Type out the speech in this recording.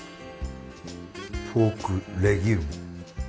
ポークレギューム。